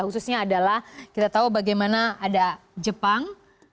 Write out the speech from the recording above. khususnya adalah kita tahu bagaimana ada jepang